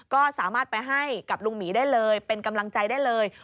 ก็สามารถไปให้กับลุงหมีได้เลยเป็นกำลังใจได้เลย